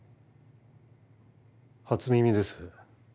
初耳です。